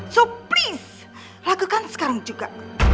so please lakukan sekarang juga